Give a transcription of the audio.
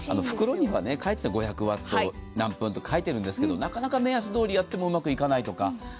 袋には５００ワット何分と書いてあるんですけど、なかなか目安どおりやってもうまくいかないとか。